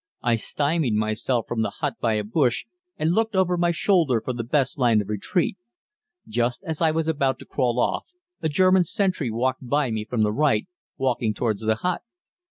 I stymied myself from the hut by a bush and looked over my shoulder for the best line of retreat. Just as I was about to crawl off, a German sentry walked by me from the right, walking towards the hut.